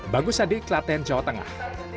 bagus adik laten jawa tengah